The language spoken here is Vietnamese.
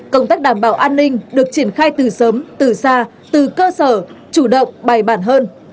công tác đảm bảo an ninh được triển khai từ sớm từ xa từ cơ sở chủ động bài bản hơn